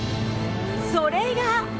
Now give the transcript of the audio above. それが。